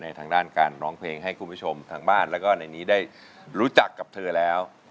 ทางด้านการร้องเพลงให้คุณผู้ชมทางบ้านแล้วก็ในนี้ได้รู้จักกับเธอแล้ว